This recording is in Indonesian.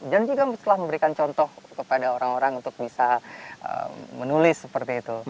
juga telah memberikan contoh kepada orang orang untuk bisa menulis seperti itu